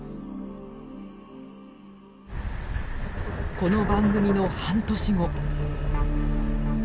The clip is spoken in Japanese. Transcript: この番組の半年後。